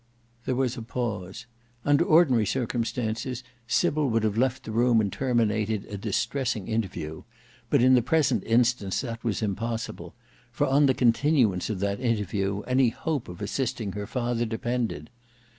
There was a pause. Under ordinary circumstances Sybil would have left the room and terminated a distressing interview, but in the present instance that was impossible; for on the continuance of that interview any hope of assisting her father depended.